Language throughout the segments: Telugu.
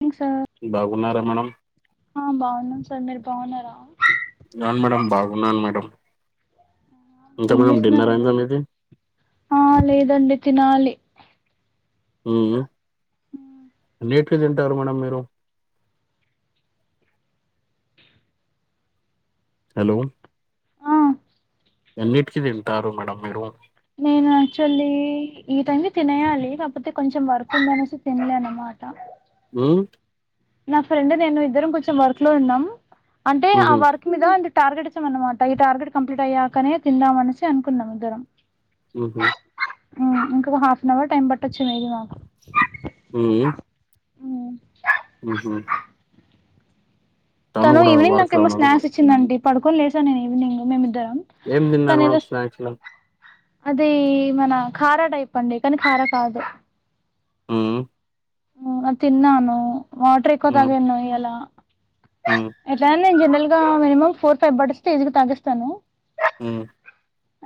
మార్నింగ్ సార్ బాగున్నారా మేడంమ్ ఆ బాగున్నాం సార్ మీరు బాగున్నారా రాను మేడంమ్ బాగున్నాను మేడంమ్ ఏం చేస్తున్నారండి ఆ లేదండి తినాలి ఉ ఎన్నిటికి తింటారు మేడంమ్ మీరు ఉ హలో ఆ అన్నిటికి తింటారు మేడంమ్ మీరూ నేను యాక్చువల్లీ ఈ టైం తినేయాలి కాకపోతే కొంచెం వర్క్ ఉందనేసి తినలే అన్నమాట అట్టా ఉమ్ నా ఫ్రెండ్ నేను ఇద్దరం కొంచెం వర్క్ లో ఉన్నాం అంటే ఆ మ్హూ. వర్క్ మీద అంటే టార్గెట్ ఇచ్చం అన్నమాట ఈ టార్గెట్ కంప్లీట్ అయ్యాకనే తిందామ అనేసి అనుకున్నాం ఇద్దరం ఉహూ ఉమ్‌ ఇంకొక హాఫ్ ఎన్ అవర్ టైం పట్టొచ్చు మేబీ మాకు ఉ ఉమ్ ఉహూ.. తను ఈవినింగ్ వర్క్ లో నాకేమో ఉన్నారు స్నాక్స్ ఇచ్చిందండి పడుకోని లేసా నేను ఈవినింగ్ మేమిద్దరం ఏం తను తిన్నారు మేడం ఏదో స్నాక్స్ ల అది మన ఖారా టైప్ అండి కానీ ఖార కాదు హ్మ్మ్ హ్మ్మ్ తిన్నాను వాటర్ ఎక్కువ మ్మ్. తాగాను ఇయ్యలా మ్మ్. ఎట్లైన జనరల్ గా మినిమం ఫోర్ ఫైవ్ బాటిల్స్ ఈజీగా తాగేస్తాను హ్మ్మ్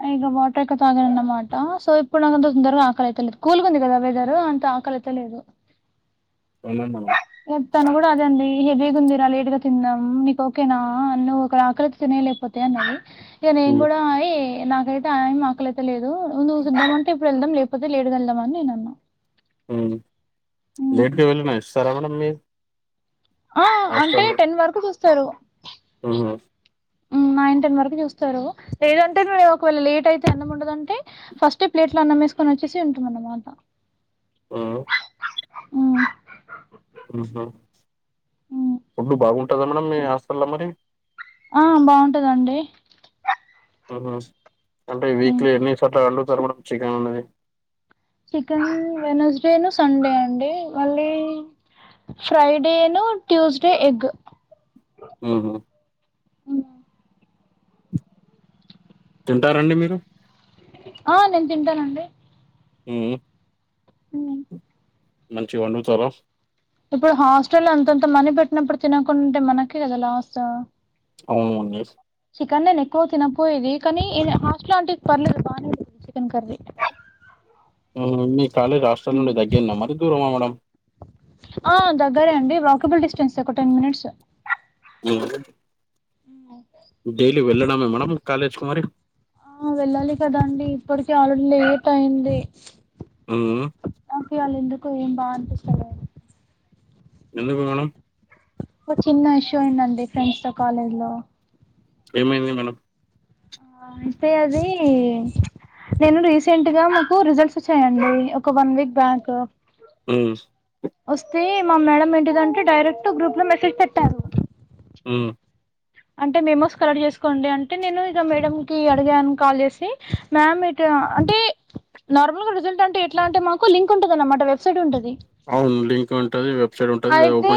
ఇగ వాటర్ ఎక్కవ తాగాలి అన్నమాట సో ఇప్పుడు అంత తొందరగా ఆకలయిత లేదు కూల్గుంది కదా వెదర్ అంత. ఆకలైత లేదు [unintelligible] తను కూడా అదే అండి హెవీగా ఉందిరా లేట్ గా తిన్నాం నీకు ఓకేనా ఆ నువ్వు ఒక ఆకలైతే తినై లేకపోతే అన్నది. ఇగ నేన్ మ్మ్. గూడ నాకైతే ఆకలైత లేదు నువ్వు తిందాం అంటే ఇప్పుడు ఎళ్దాం లేకపోతే లేటుగా ఎళ్దాం అని నేను అన్నా హ్మ్మ్ లేట్గా వెళ్ళిన ఇస్తారా మేడం మీక్ ఆ అంటే టెన్ వరకు చూస్తరు అవునా నైన్ టెన్ వరకు చూస్తారు లేదంటే ఒకవేళ లేట్ అయితే అన్నం ఉండదంటే ఫస్ట్ ప్లేట్ ప్లేట్ ల అన్నమ్మేసుకొని వచ్చేసి ఉంటుందన్నమాట ఆ మ్మ్ ఆహా ఫుడ్డ్ బాగుంటదా మేడం మీ హాస్టల్లో మరి ఆ బాగుంటదండి ఆహా అంటే వీక్లీ ఎన్ని సార్లు అండుతారు మేడం చికెన్ అనేది చికెన్ వెనస్డేను సండే అండి మళ్ళీ ఫ్రైడేను ట్యూస్డే ఎగ్ హ్మ్మ్ తింటారండి మీరు ఆ నేన్ తింటానండి హ్మ్మ్ హ్మ్మ్ మంచిగ వండుతారా ఇప్పుడు హాస్టల్ లో అంతంత మనీ పెట్టినప్పుడు తినకుంటే మనకే కదా లాస్ అవునండి చికెన్ నేను ఎక్కువ తినపోయేది కానీ హాస్టల్లాంటిది పర్లేదు బాగానే చికెన్ కర్రీ హ్మ్మ్ మీ కాలేజీ హాస్టల్ నుండి దగ్గర్న మరి దూరమా మేడం ఆ దగ్గరే అండి వాకబుల్ డిస్టెన్స్ ఒక టెన్ మనిట్స్ హ్మ్మ్ హ్మ్మ్ మేడం కాలేజ్‌కి మరి ఆ వెళ్ళాలి కదండి ఇప్పటికే ఆలో లేట్ అయింది హ్మ్ నాకు ఇవాళ్ళ ఎందుకు ఏం బాగనిపిస్తాలే ఎందుకు మేడం ఒక చిన్న ఇష్యూ అయిందండి ఫ్రెండ్స్ తో కాలేజ్ లో ఏమైంది మేడం ఆ అంటే అది నేను రీసెంట్ గా మాకు రిజల్ట్స్ వచ్చాయి అండి ఒక వన్ వీక్ బ్యాక్ హ్మ్మ్ వస్తే మా మేడం ఏంటిదంటే డైరెక్ట్ గ్రూప్ లో మెసేజ్ పెట్టారు హ్మ్మ్ అంటే మేమోస్ కలెక్ట్ చేసుకోండి అంటే నేను ఇక మేడం కి అడిగాని కాల్ చేసి మ్యామ్ ఇటు అంటే నార్మల్ గా రిజల్ట్ అంటే ఎట్లా అంటే మనకు లింక్ ఉంటంది అన్నమాట వెబ్సైట్ ఉంటంది అవును లింక్ ఉంటది వెబ్ అయితే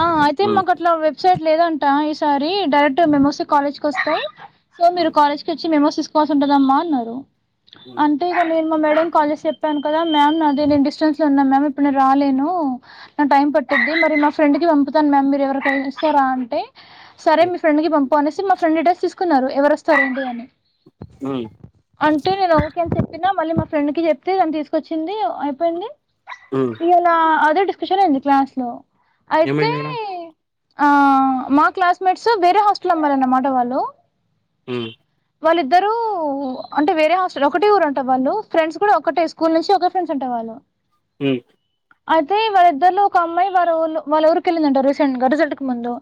ఆ అయితే హ్మ్ మాకు అట్లా వెబ్సైట్ లేదంట ఈసారి డైరెక్ట్ మెమోస్ కాలేజ్ కి వస్తాం సో మీరు హ్మ్ కాలేజ్ క చ్చి మెమోస్ తీసుకోవలసి ఉంటదమ్మా అన్నారు. హ్మ్ అంటే మేము మా మేడం కు కాల్ చేసి చెప్ చెప్పాను కదా మ్యామ్ నా అది నేను డిస్టెన్స్లో ఉన్నా మ్యామ్ ఇప్పుడు నేను రాలేను నా టైం పట్టిద్ది మరి మా ఫ్రెండ్ కి పంపుతాను మ్యామ్ మీరు ఎవరికైనా ఇస్తారా అంటే సరే హ్మ్ మీ ఫ్రెండ్ కి పంప అనేసి మా ఫ్రెండ్ డ్రెస్ తీసుకున్నారు ఎవరు వస్తారండి అని అ అంటూ నేను ఓకే అని చెప్పిన మళ్ళీ మా ఫ్రెండ్ కి చెప్తే దని తీసుకొచ్చింది అయిపోయింది హ్మ్ ఇవాలా అదే డిస్కషన్ అయింది క్లాస్ లో అయితే ఏమైంది మేడం మా క్లాస్మేట్స్ వేరే హాస్టల్ అమ్మాయిలన్నమాట వాళ్ళు హ వాళ్ళిద్దరూ అంటే వేరే హస్టల్ ఒకే టే ఊరు అంట వాళ్ళు ఫ్రెండ్స్ కూడా ఒకటే స్కూల్ నుంచి ఒకే ఫ్రెండ్స్ అంటా వాళ్ళు హా లో హ అయితే వాళ్ళిద్దరి లొ ఒక అమ్మాయి వారి ఊళ్ళు వాళ్ళ ఊరికి వెళ్ళిందంట రీసెంట్ గా రిజల్ట్కి ముందు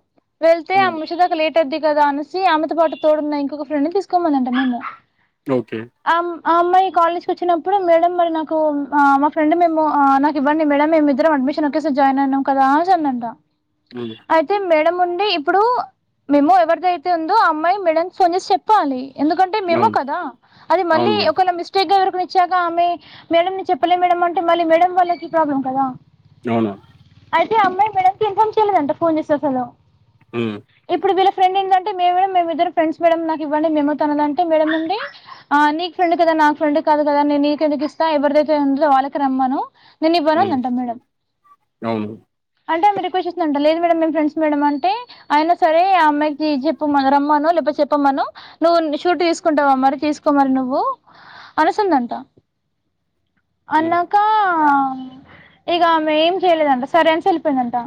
వెళ్తే హ్మ్ ఆమె వచ్చేదాకా లేట్ అయిద్ది కదా అనిసి ఆమెతో పాటు తోడున్న ఇంకొక ఫ్రెండ్ ని తీసుకోమనింట మెమో ఓకే అమ్మాయి కాలేజ్కి వచ్చినప్పుడు మేడం మరి నాకు మా ఫ్రెండ్ మేము నాకు ఇవ్వండి మేడం మేమిద్దరం అడ్మిషన్ ఒకే సారి జాయిన్ అయినం కదా అనేసి అందంట హ్మ్ అయితే మెడ్ మేడ ఉండి ఇప్పుడు మేము ఎవరిదైతే ఉందో అమ్మాయి మేడ ఫోన్ చేసి చెప్పాలి ఎందుకంటే మేము అవును కదా అది అవును మళ్ళీ మేడం ఒకవేళ మిస్టేక్ గా ఎవరి ఇచ్చగామె మేడని చెప్పలే మేడడం అంటే మళ్ళీ మేడ వాళ్ళకి ప్రాబ్లం కదా అవునా అయితే అమ్మాయి మేడంకి ఇన్ఫమ్ చేయలేదంట ఫోన్ చేసేసను హ్మ్ ఇప్పుడు వీల ఎంటేేడం మేమిద్దరు ఫ్రెండ్ మేడంమ్ నాకువండి మేమ తనదంటే మేడం ఉండి నీకు ఫ్రెడ్ కద నాకు ఫ్రెండ్ కాదు కదా నేను ఎందుకు ఇస్తా ఎవరిైతే ఉండో వాళ్ళకి రమ్మను నేను ఇవ్వను హ్మ్ అందంటా మేడమ్ అవును అంటేరు రిక్వెట్ చేస్తుంట లేదు మేడంమ్ ఫ్రెండ్స్ మేడం అంటే అయినా సరే అమ్మాయికి చెప్పు మల్లా రమ్మను చెప్పమను నువ్వు షూరిటి తీసుకుంటావా మరి తీసుకోమరి నువ్వు అనసిందంట హ్మ్ అన్నకా ఆ మె ఏం చేయలేదంట సరే అనిసి వెళ్ళియిందంట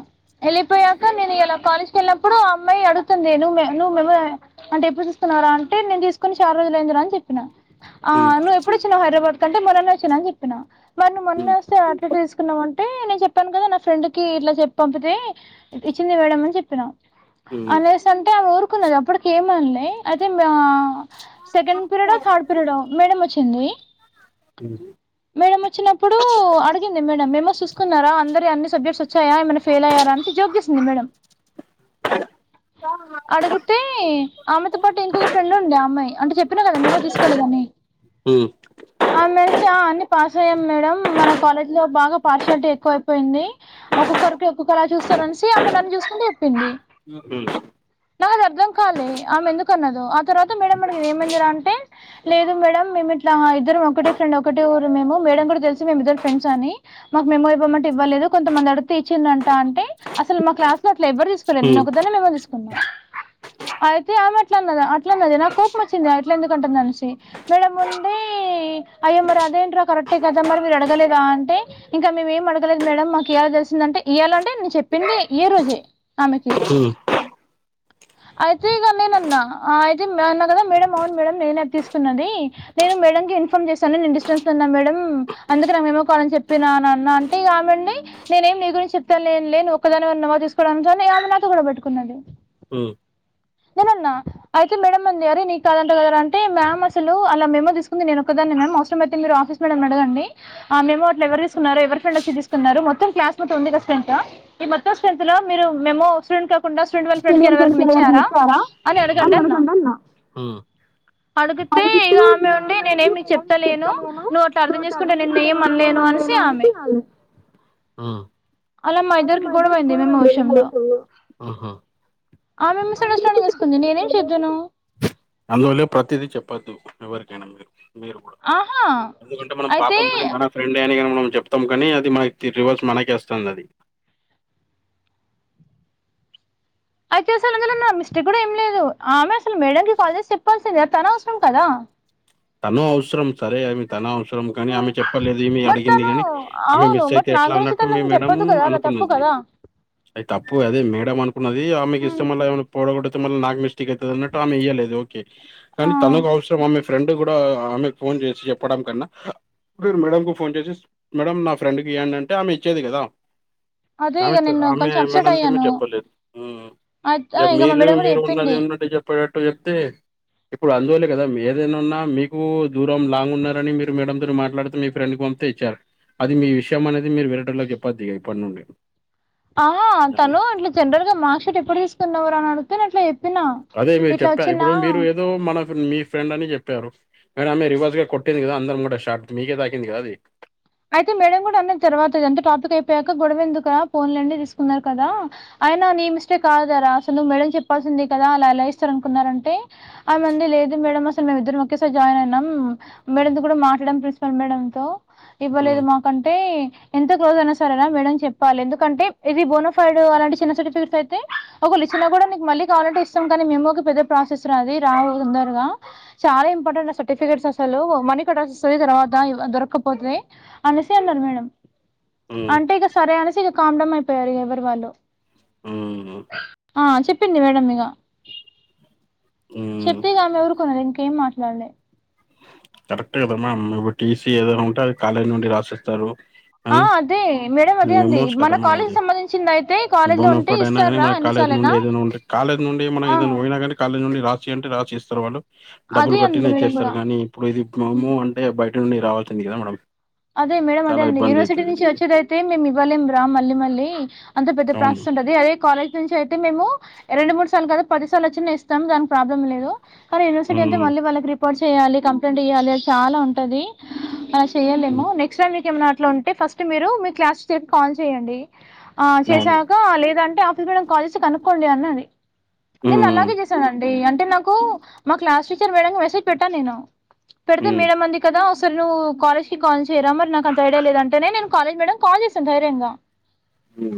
వెళ్ళిపోయాక నేను ఇలా కాలేజ్కి వెళ్నప్పుడు అమ్మాయి పడుతుంది నువ నువ్ మేము అంటే ఎప్పుడు చూస్తున్నారా అంటేను తీసుకుని షానా రోజులు ఎందిరా అని చెప్పినాను ఆ హ్మ్ నువ్వు ఎప్పుడుచ్చినావ్ హైదరాబాద్ కంటే మొరన్న వచ్చినా అని చెప్పినా మరి నువ్ మొన్న హ్మ్ వస్తే ఆట్లెట్ల తీసుకున్నామంట అంటే నేను చెప్పాను కదా నా ఫ్రెండ్ కి ఇలట్ల చెప్పి పంపితే ఇచ్చింది మేడ అని చెప్పినా హ్మ్ అనేసి అంటే ఆమె ఊరుకున్నది అప్పటికి ఏమనిలే అదే మా సెకండ్ పిరియడొ థర్డ్ పిరియడో మేడం వచ్చింది హ్మ్ మేడం వచ్చినప్పుడు అడిగింది మేడం మేము కున్నార అఅందరివి అన్ని సబ్జెక్ట్ వచ్చాయా ఏమైనా ఫేల్ అయ్యార అని జోగ్ చేస్తుంది మేడం అడుగితే ఆమెతో పాటు ఇంకొక ఫ్రెండ్ ఉండడి అమ్మాయి అంట చెప్పిన కదా మేమో తీసుకోలేదని ఉ ఆమెసి ఆ అన్ని పాస్ అయ్యాం మేడం మన కాలేజ్ లో బాగా పా షల్టి ఎక్కువయిపోయింది ఒక్కొక్కరికి ఒక్కొక్క అలా చూస్తారు అనేసి ఆమె నన్ను చూసుకుంటూ చెప్పింది ఉ నాద్ అర్థం కాలే, ఆమె ఎందుకు అన్నదొ. ఆ తర్వాత మేడం మేడం ఏమందిరా అంటే లేదు మేడం మేము ఇట్లా ఇద్దరం ఒకటే ఫ్రెండ్ ఒకటే ఊరు మేము, మేడం గూడా దేల్సు మేమ్ ఇద్దరం ఫ్రెండ్స్ అని. మాకు మెమో ఇవ్వమంటే ఇవ్వలేదు. కొంతమంది అడుతే ఇచ్చిందంట అంటే అసలు మా క్లాస్ లో లేవర్ దిసుకోలే హ్మ్ నేనొక్కదాన్నే మెమో దిసుకున్నా. అయితే ఆమె అట్లాన్నదా అట్లన్నది. నాకు కోపం వచ్చింది అట్లా ఎందుకంటుంది అనేసి మేడం ఉండి ఈ అయో మరి అదేంట్రా కరెక్టే కదా మరి మీరు అడగలేదా అంటే ఇంకా మేము ఏం అడగలేదు మేడం మాకు ఇయాల దేలిసిందంటే ఇయాలంటే నేను చెప్పింది ఈ రోజే ఆమెకి అయితే ఇగా నేన్ అన్నా ఆ అయితే మా అన్నా గదా మేడం అవును మేడం నేనే అద్ తీస్తున్నది నేను మేడం ఎగేన్ ఇన్ఫార్మ్ జేస్తాను నేను డిస్టెన్సలో ఉన్న మేడం. అందుకే నేన్ మెమో కావాలన్ చెప్ పినా నన్ అంటే ఇగా ఆమె ఉండి నేనేం నీ గురించి చెప్తాలేన్ లే నువ్వు ఒకదానవే ఉన్నావా జుసుకోవడాన్ లే [inaudible] కూడా బెట్టుకున్నది. ఉహ్ నేనన్నా అయితే మేడం అంది అరే నీకు కాదంట కదా రా అంటే మ్యామ్ అసలు అలా మేమో దిసుకుంది నేన్ ఒకదన్ ఇనన్ మ్యామ్ అవసరం అయితే మీరు ఆఫీస్ మేడం ను అడగండి. ఆ మెమో అట్ల్ ఎవరు తీసుకున్నారు. ఎవరి ఫ్రెండ్ వచ్చి దిసుకున్నారు మొత్తం క్లాస్ తొమ్మిదో స్ట్రెంతా మొత్తం స్ట్రెంత్ లో, మీరు మెమో స్టూడేట్ కాకుడా, స్టూడెట్ వాళ్ళ ఫ్రెండ్ ఎవరికైనా ఇచ్చారా. అలా అని అన్ అడగండి అన్న అడిగాన్డ్ అన్నా. అడిగితే ఇగా ఆమె వాళ్ళు ఉండి అంటే నేనేమి నేనేం మీకు చెప్తాలేను. చెప్తలేను నువ్వు అట్లా అర్థం చేసుకుంటే నేన్ ఏం నేను అనలేను. మనషి ఆమె అనేసి వాళ్ళు అలా మా ఇద్దరకి గొడవ అయింది. మేమో విషయంలో ఆమె మిస్సడాస్ అందుకే అందువల్లే ప్రతిదీ చెప్పొద్దు. ఎవరికైనా మీరు, మీరు గూడా ఆహా ఎందుకంటే మనం అయితే పాపం లోనే మన ఫ్రెండే అని కానీ మనం జేప్తాం కానీ అది మనకి రివర్స్ మనకేస్తుంది అది. అయితే అసలు అందులో నా మిస్టేక్ గూడా ఏం లేదు. ఆమె అసలు మేడం కి కాల్ జేస్ చెప్పాల్స్ కిగా తన అవసరం కదా. తను అవసరం సరే అవి తన అవస్ త్రోమ్ కాని ఆమె చెప్పలేదు. ఈమె బట్ అడిగింది తను గాని ఆమె అవును మిస్ అయితే బట్ నా ఎట్లా గురించి అన్నట్టు తను మీ అసలు మేడం చెప్పొద్దు కదా అలా తప్పు అనుకున్నది. కదా అయై తప్పు అదే మేడం అనుకున్నది. ఆమెకి ఇస్తే మళ్ళా ఏవన్నా పొడగోటు తు మళ్ళా నాక్ మిస్టేక్ అయితది అన్నట్టు ఆమె ఇయ్యలేదు. ఓకే ఆ కానీ తనకు అవసరం ఆమె తుగూడా ఆమెక్ ఫోన్ జేచి చెప్పడం కన్నా మీరు మేడంకు ఫోన్ జేసిస్, మేడం నా ఫ్రెండ్కి ఇయండి అంటే ఆమె ఇచ్చేది గదా. అదే ఇక నావిత్ నేను ఆమె కొంచెం అప్సెట్ మేడంకి ఏమో అయ్యాను చెప్పలేదు ఉ అయితే యా ఇక మా మీరు మేడం కూడా మీరు ఉన్నది చెప్పింది ఉన్నట్టు జెపాడాట్ టూ జేప్తే ఇప్పుడు అందువల్లే గదా మీ ఏదేనా ఉన్నా మీకు దూరం లాంగ్ ఉన్నారని, మీరు మేడంతోరు మాట్లాడుతే మీ ఫ్రెండ్ పంపితే ఇచ్చారు. అది మీ విషయం అనేది మీరు విరటలో చెప్పొద్ది ఇగా ఇప్పడ్ నుండి ఆహా తను ఇట్లా జనరల్ గా మార్క్ షీట్ ఎప్పుడు తీసుకున్నవరా అని అడుగుతే నేన్ ఇట్లా ఏప్పినా. అదే మీర్ చెప్పార్ ఇప్పుడు మీరు ఏదో మనఫ్ మీ ఫ్రెండ్ అని చెప్పారు. కానీ ఆమె రివర్స్ గా కొట్టేది గదా అందర్ ముంగట షార్ట్ మీకే తాకింది గా అది. అయితే మేడం గుడా అన్నది. తర్వాత ఇదంతా టాపిక్ అయిపోయాక గొడవ ఎందుకురా పోన్ లేండి దిసుకున్నారు కదా. అయినా నీ మిస్టేక్ కాదరా అసలువ్ మేడం చెప్పాల్సింది కదా అలా ఎలా ఇస్తారు అనుకున్నారంటే ఆ మంది లే ఇది మేడం అసలు మేము ఇద్దరం ఒకేసారి జాయిన్ అయినమ్, మేడంతో గూడా మాట్లాడం ప్రిన్సిపాల్ మేడంతో ఇవ్వలేదు హ్మ్. మాకంటే ఎంత క్లోజ్ అయినా సరేరా మేడం చెప్పాలే. ఎందుకంటే ఇది బోనోఫైడ్ అలాంటి చిన్న సర్టిఫికెట్స్ అయితే ఓగో లిజ్ కినా గూడా నీకు మళ్ళీ కావాలంటే ఇస్తాం గానీ, మెమోకి పెద్ద ప్రాసెస్ రా అది రావు కొందరగా చాలా ఇంపార్టెంట్ ఆ సర్టిఫికెట్స్ అసలు మనీ కొట్టాల్సి వసది. తర్వాత ఇవ్ దొరకపోతే అనేసి అన్నరు మేడం హ్మ్. అంటే ఇగా సరే అనేసి ఇగా కామ్డం అయిపోయారు ఎవరీ వాళ్ళు ఉహుహ్ ఆ చెప్పింది మేడం ఇగా హ్మ్. చెప్పి ఇగా ఆమె ఊరుకునది ఇంకేం మాట్ ననే కరెక్ట్ కదమ్ మ్యామ్ ఇడు టీసీ ఏదైనా ఉంటే అది కాలేజ్ నుండి రాసిస్తారు ఆ అదే మేడం అదే అడి మెమోస్ కదా మన మనం కాలేజ్ అది. సంబంధించింది అయితే కాలేజ్ లో ఉంటే ఇస్తారా అ కాలేజ నుండి ఏద ఉండ కాలేజ నుండి మం ఏదై పోయినా కానీ కాలేజ్ నుండి రాసి అంటే రాసి ఇస్తారు వాళ్ళు అదే డబ్బులు అంది కట్టిన మేడం కూడా ఇచ్చేస్తారు కాగానీ ఇప్పుడు ఇది మము అంటే బయట నుండి రావాల్సింది కదా మేడం అదే మేడ అదే చాలా అండి ఇబ్బంది యూనివర్సిటీ అయితది. నుంచి వచ్చేదయితే మేము ఇవ్వలేంరా మళ్ళీ మళ్ళీ అంత పెద్ద ప్ర అవును. ఉంటుది అదే కాలేజ్ నుంచి అయితే మేము రెండు మూడు సార్లు కాదు పది సార్లు వచ్చినా ఇస్తాం దానికి ప్రాబ్లం లేదు కానీ యూనివర్సిటీ అంతే హ్మ్. మళ్ళీ వాళ్ళకి రిపోర్ట్ చేయాలి కంప్లైంట్ ఇయ్యాలి అది చాలా ఉంటదింది చేయలేమో హ్మ్. మీక ఏమట్లో ఉంటే ఫస్ట్ మీరు మీ క్లాస్ చెప్పి కాల్ చేయడి అవును. చేసాక లేదంటే ఆఫ కనుక్కోండి అం నేను హ్మ్. అలాగే చేశాను అండి అ అంటే నాకు మా క్లాస్ టీచర్ మేడంకి మెసేజ్ పెట్టాను నేను పెడితే హ్మ్. మేడం మంది కదా సార్ నువ్వు కాలేజ్ కాల్ చేయరా మరి నాకుంత ఐడియా లేదు అంటేనే నేను కాలేజ్ మేడమ్ కాల్ చేశాను ధైర్యంగా హ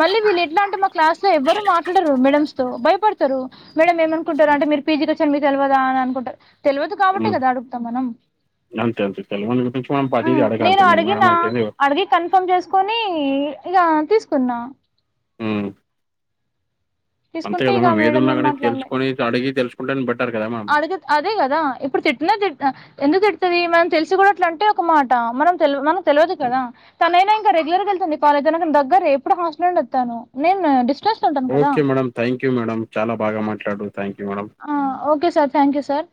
మళ్ళీ వీళ్ళు ఎట్లా అంటే మా క్లాస్ లో ఎవ్వరు మాట్లాడరు మేడమ్స్ తో భయపడతారు మేడ ఏమనుకుంటారు అంటే మీ పీజీకిచ్చారు మీకు తెలియదా అనుకుంటారు తెలియదు కాబట్ హ్మ్. కదా అడుగుతాం మనం అంతే అంతే తెలవని గురించి మనం ఉ ప్రతిదీ నేను అడగాల్సిందే అడ్గిన మేడం అయితేంది అడ్గ కన్నా ఇన్ఫామ్ చేసుకుని ఇక తీసుకున్నా ఉ అంతే తీసుకుంటే కదా ఇక మనం ఏది మేడం ఉన్నా ఏం కానీ తెలుసుకొని అడిగి తెలుసుకుంటాని బట్టి అడుగ అదే కదా ఇప్పుడు తిట్టిన తిట్ ఎందుకు తిడుతది మనం తెలిసి కూడాడట్ల అంటే ఒక మాట మనం తె మనకు తెలియదు కదా తనైనా రేగులార్గా ఎల్తుంధి కాలెగ్ ధగ్గారా ఎప్పుడు హాస్టల్ నుంచి నుండి వస్థాను okay madam thank you madam చాల బా మాట్లాడారు థ్యాంక్యూ ఆ okay sir thank you sir